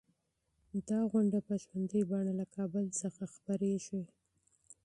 دا پروګرام په ژوندۍ بڼه له کابل څخه خپریږي.